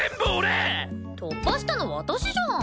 突破したの私じゃん。